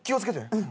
うん。